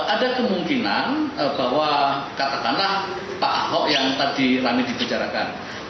ada kemungkinan bahwa katakanlah pak ahok yang tadi rame dibicarakan